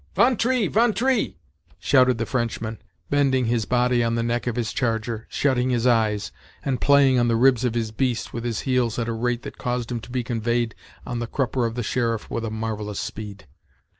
"Von tree! von tree!" shouted the Frenchman, bending his body on the neck of his charger, shutting his eyes, and playing on the ribs of his beast with his heels at a rate that caused him to be conveyed on the crupper of the sheriff with a marvellous speed.